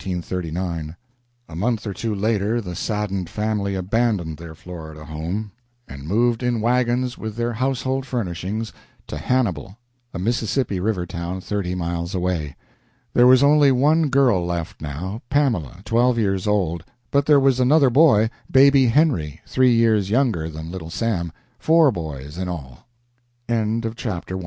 A month or two later the saddened family abandoned their Florida home and moved in wagons, with their household furnishings, to Hannibal, a Mississippi River town, thirty miles away. There was only one girl left now, Pamela, twelve years old, but there was another boy, baby Henry, three years younger than Little Sam four boys in all. II. THE NEW HOME, AND UNCLE JOHN QUARLES'S FARM H